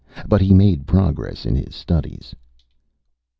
But he made progress in his studies.